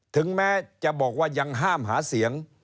ถึงแม้จะบอกว่ายังห้ามหาเสียง